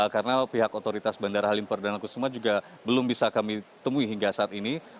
karena pihak otoritas bandara halim perdana kusuma juga belum bisa kami temui hingga saat ini